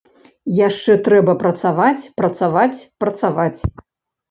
Яшчэ трэба працаваць, працаваць, працаваць.